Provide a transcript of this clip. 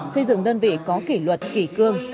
xây dựng đơn vị có kỷ luật kỷ cương